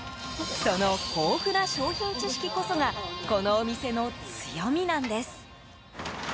その豊富な商品知識こそがこのお店の強みなんです。